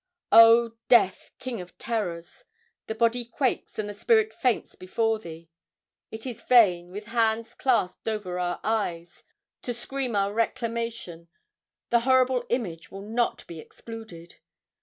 Oh, Death, king of terrors! The body quakes and the spirit faints before thee. It is vain, with hands clasped over our eyes, to scream our reclamation; the horrible image will not be excluded.